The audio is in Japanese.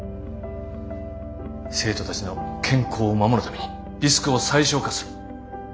生徒たちの健康を守るためにリスクを最小化する。